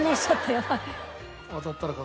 やばい。